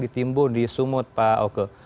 ditimbun di sumut pak oke